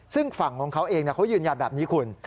ซึ่งฝั่งของเขาเองเขายืนยันแบบนี้คุณ